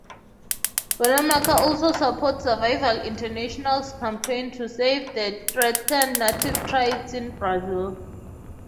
Wanamaker also supports Survival International's campaign to save the threatened native tribes in Brazil.